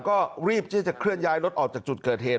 ก็รีบที่จะเคลื่อนย้ายรถออกจากจุดเกิดเหตุ